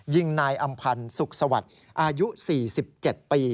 ยิงนายอำพันธ์สุขสวัสดิ์อายุ๔๗ปี